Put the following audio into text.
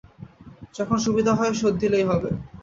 যখন সুবিধা হয় শােধ দিলেই হইবে।